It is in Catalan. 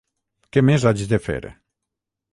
Què més haig de fer?